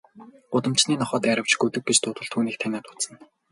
Гудамжны нохой дайравч, гөлөг гэж дуудвал түүнийг таниад буцна.